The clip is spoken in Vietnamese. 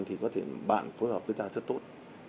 thì có thể bạn phối hợp với ta rất tốt